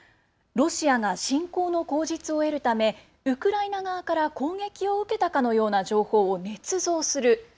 ロシアが侵攻の口実を得るためウクライナ側から攻撃を受けたかのような情報をねつ造する。